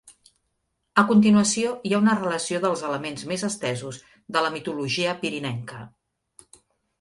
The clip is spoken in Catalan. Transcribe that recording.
A continuació hi ha una relació dels elements més estesos de la mitologia pirinenca.